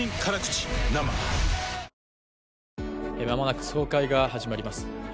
間もなく総会が始まります。